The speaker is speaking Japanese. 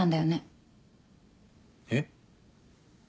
えっ？